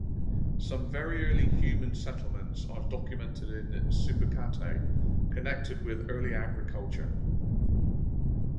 Some very early human settlements are documented in Sipacate, connected with early agriculture.